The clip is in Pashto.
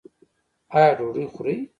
ایا ډوډۍ خورئ؟